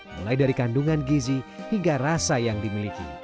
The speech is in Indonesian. mulai dari kandungan gizi hingga rasa yang dimiliki